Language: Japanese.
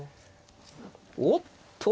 おっと。